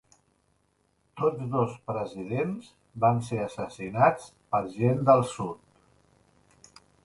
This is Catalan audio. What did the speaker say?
Tots dos presidents van ser assassinats per gent del sud.